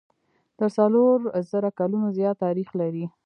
تر څلور زره کلونو زیات تاریخ لري.